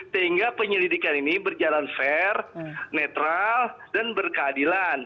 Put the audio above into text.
sehingga penyelidikan ini berjalan fair netral dan berkeadilan